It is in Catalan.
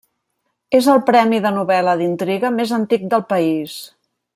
És el premi de novel·la d’intriga més antic del país.